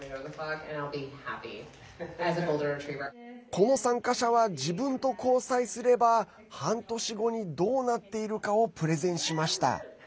この参加者は自分と交際すれば半年後にどうなっているかをプレゼンしました。